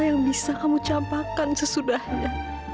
yang bisa kamu campakkan sesudahnya